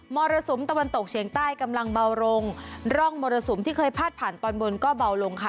รสุมตะวันตกเฉียงใต้กำลังเบาลงร่องมรสุมที่เคยพาดผ่านตอนบนก็เบาลงค่ะ